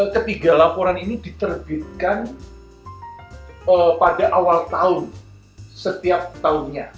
ketiga laporan ini diterbitkan pada awal tahun setiap tahunnya